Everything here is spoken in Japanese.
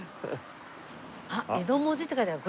あっ「江戸文字」って書いてある。